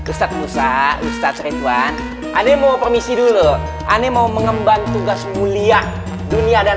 ustadz ustadz ridwan ada yang mau permisi dulu aneh mau mengemban tugas mulia dunia dan